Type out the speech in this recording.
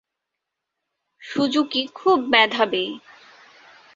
Suzuki খুব মেধাবী।